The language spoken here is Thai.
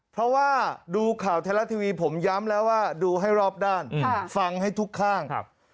เพราะว่าดูข่าวไทยรัฐทีวีผมย้ำแล้วว่าดูให้รอบด้านฟังให้ทุกข้าง